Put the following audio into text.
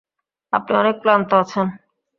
আপনি অনেক ক্লান্ত আছেন।